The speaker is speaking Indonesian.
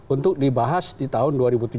untuk dibahas di tahun dua ribu tujuh belas